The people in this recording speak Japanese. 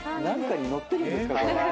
何かに乗ってるんですか？